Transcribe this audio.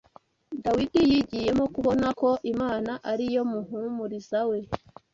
Dawidi yigiyemo kubona ko Imana ari yo muhumuriza we